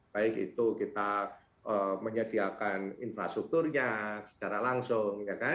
baik itu kita menyediakan infrastrukturnya secara langsung